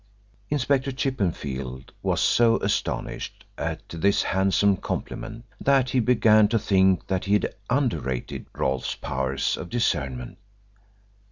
Inspector Chippenfield was so astonished at this handsome compliment that he began to think he had underrated Rolfe's powers of discernment.